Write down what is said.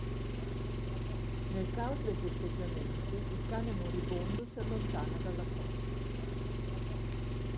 Nel caos dei festeggiamenti, il cane moribondo, si allontana dalla folla.